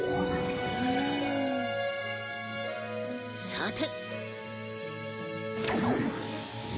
さて。